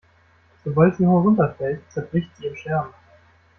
Sobald sie herunterfällt, zerbricht sie in Scherben.